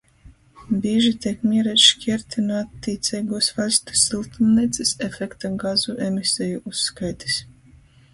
Bīži teik miereits škierti nu attīceigūs vaļstu syltumneicys efekta gazu emiseju uzskaitis.